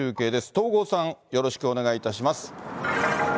東郷さん、よろしくお願いいたします。